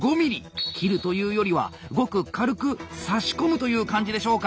切るというよりはごく軽く差し込むという感じでしょうか。